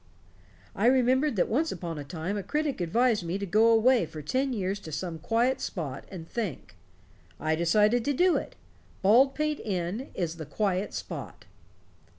I remembered that once upon a time a critic advised me to go away for ten years to some quiet spot, and think. I decided to do it. Baldpate Inn is the quiet spot."